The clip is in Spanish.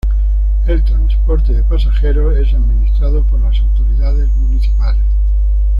El transporte de pasajeros es administrado por las autoridades municipales.